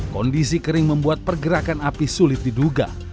kondisi kering membuat pergerakan api sulit diduga